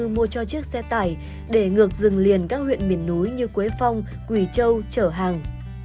mua cho chiếc xe tải để ngược rừng liền các huyện miền núi như quế phong quỳ châu trở hàng